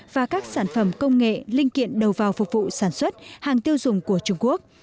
và các sản phẩm công nghệ linh kiện đầu vào phục vụ sản xuất hàng tiêu dùng của trung quốc